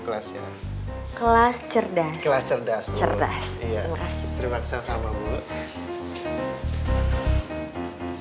kelasnya kelas cerdas kelas cerdas terima kasih terima kasih sama bu